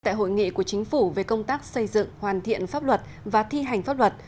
tại hội nghị của chính phủ về công tác xây dựng hoàn thiện pháp luật và thi hành pháp luật